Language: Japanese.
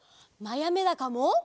まやめだかも！